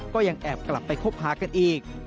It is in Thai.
ก็ยังแอบกลับไปคบหากันอีก